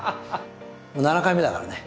もう７回目だからね。